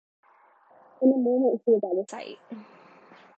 In a moment he was out of sight.